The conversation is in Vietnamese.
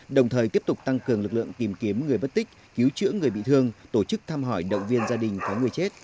đồng thời tiếp tục tăng cường lực lượng tìm kiếm người bất tích cứu chữa người bị thương tổ chức thăm hỏi động viên gia đình có người chết